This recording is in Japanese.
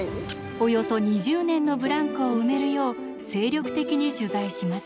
およそ２０年のブランクを埋めるよう精力的に取材します。